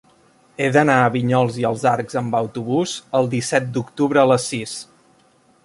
He d'anar a Vinyols i els Arcs amb autobús el disset d'octubre a les sis.